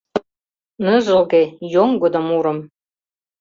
Ныжылге, йоҥгыдо мурым.